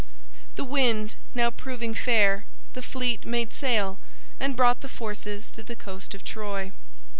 The wind now proving fair the fleet made sail and brought the forces to the coast of Troy.